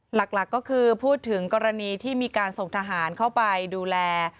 หลักก็คือพูดถึงกรณีที่มีการส่งทหารเข้าไปดูแล